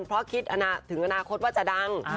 เพราะคิดถึงอนาคตว่าจะดัง